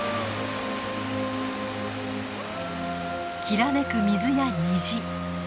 きらめく水や虹。